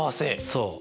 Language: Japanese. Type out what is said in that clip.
そう。